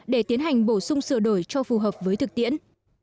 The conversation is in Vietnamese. để tiến hành bổ sung sửa đổi cho phù hợp với thực tiễn